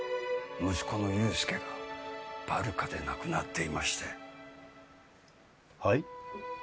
息子の憂助がバルカで亡くなっていましてはい？